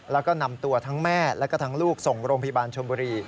แล้วก็นำตัวทั้งแม่แล้วก็ทั้งลูกส่งโรงพยาบาลชมบุรี